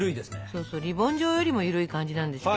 そうリボン状よりも緩い感じなんですけど。